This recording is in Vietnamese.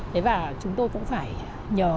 thế và chúng tôi cũng phải nhờ